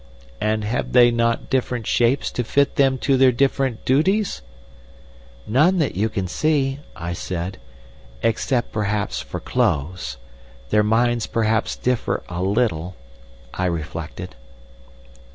"'And have they not different shapes to fit them to their different duties?' "'None that you can see,' I said, 'except perhaps, for clothes. Their minds perhaps differ a little,' I reflected.